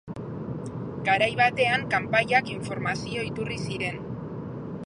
Garai batean kanpaiak informazio iturri ziren.